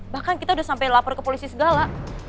bahkan kita udah sampai lapor ke polisi segala